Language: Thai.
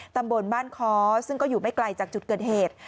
ตำบลบ้านค้อซึ่งก็อยู่ไม่ไกลจากจุดเกิดเหตุ